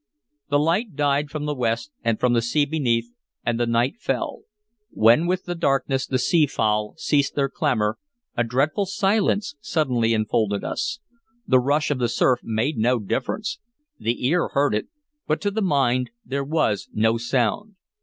The light died from the west and from the sea beneath, and the night fell. When with the darkness the sea fowl ceased their clamor, a dreadful silence suddenly enfolded us. The rush of the surf made no difference; the ear heard it, but to the mind there was no sound.